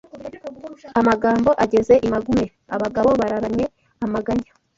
Amagambo ageze i magume Abagabo bararanye amaganya